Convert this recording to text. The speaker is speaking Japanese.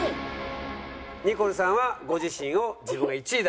ニコルさんはご自身を自分が１位だと。